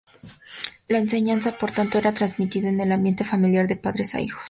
La enseñanza, por tanto, era transmitida en el ambiente familiar, de padres a hijos.